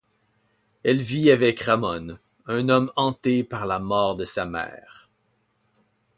Elle vit avec Ramón, un homme hanté par la mort de sa mère.